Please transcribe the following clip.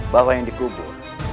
bahwa yang dikubur